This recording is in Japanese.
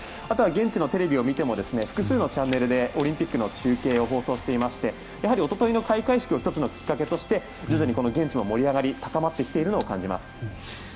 あとは現地のテレビを見ても複数のチャンネルでオリンピックの中継を放送していまして一昨日の開会式を１つのきっかけとして徐々に現地の盛り上がりが高まってきているのを感じます。